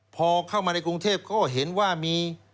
พอเข้ามาในกรุงเทพก็เห็นว่ามี